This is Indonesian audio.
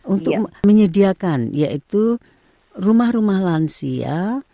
untuk menyediakan yaitu rumah rumah lansia